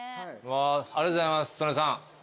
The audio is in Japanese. ありがとうございます曽根さん。